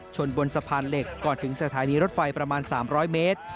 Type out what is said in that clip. บนสะพานเหล็กก่อนถึงสถานีรถไฟประมาณ๓๐๐เมตร